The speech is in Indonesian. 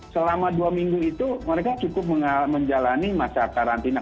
selama dua minggu itu mereka cukup menjalani masa karantina